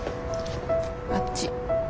あっち。